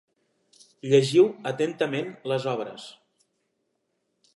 Llegiu atentament les obres.